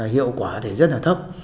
hiệu quả thì rất là thấp